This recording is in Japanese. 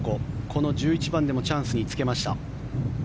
この１１番でもチャンスにつけました。